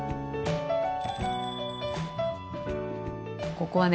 ここはね